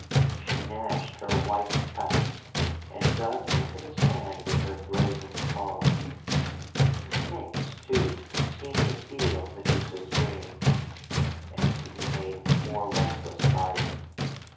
She gnashed her white tusks, and dug into the sand with her brazen claws. The snakes, too, seemed to feel Medusa's dream, and to be made more restless by it.